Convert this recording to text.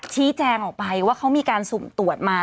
ชี้แจงออกไปว่าเขามีการสุ่มตรวจมา